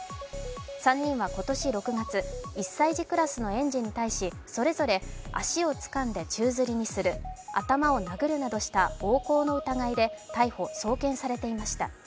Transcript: ３人は今年６月、１歳児クラスの園児に対しそれぞれ、足をつかんで宙づりにする、頭を殴るなどした暴行の疑いで逮捕・送検されていました。